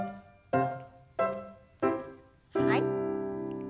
はい。